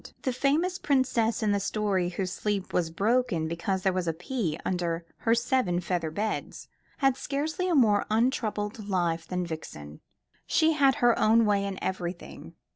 The famous princess in the story, whose sleep was broken because there was a pea under her seven feather beds, had scarcely a more untroubled life than Vixen. She had her own way in everything.